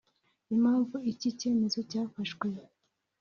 Impamvu iki cyemezo cyafashwe